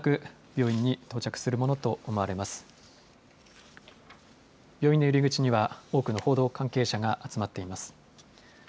病院の入り口には多くの報道関係者が集まっています。